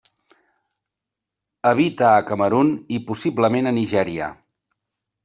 Habita a Camerun i possiblement a Nigèria.